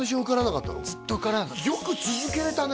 よく続けれたね